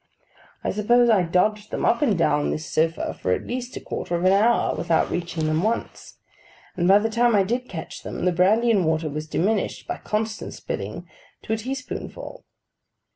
I suppose I dodged them up and down this sofa for at least a quarter of an hour, without reaching them once; and by the time I did catch them, the brandy and water was diminished, by constant spilling, to a teaspoonful.